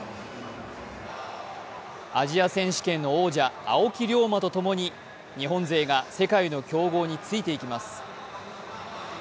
アジア選手権の王者・青木涼真とともに日本勢が世界の強豪についていきます。